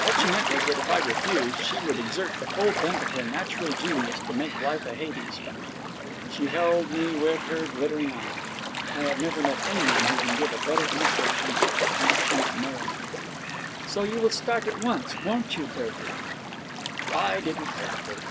What she meant was that, if I refused, she would exert the full bent of her natural genius to make life a Hades for me. She held me with her glittering eye. I have never met anyone who can give a better imitation of the Ancient Mariner. 'So you will start at once, won't you, Bertie?' I didn't hesitate.